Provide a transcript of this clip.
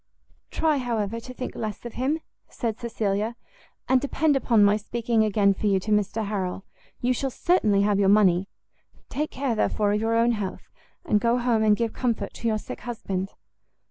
"Try, however, to think less of him," said Cecilia; "and depend upon my speaking again for you to Mr Harrel. You shall certainly have your money; take care, therefore, of your own health, and go home and give comfort to your sick husband."